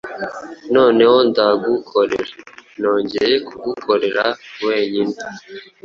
Noneho ndagukorera nongeye kugukorera wenyine